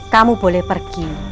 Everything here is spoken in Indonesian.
kamu boleh pergi